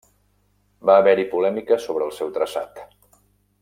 Va haver-hi polèmica sobre el seu traçat.